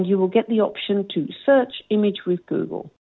dan anda akan mendapatkan opsi untuk mencari gambar dengan google